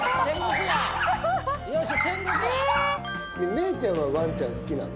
芽郁ちゃんはワンちゃん好きなの？